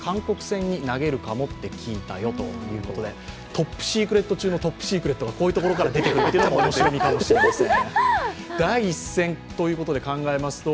トップシークレット中のトップシークレットがこういうところから出てくるのも面白みかもしれません。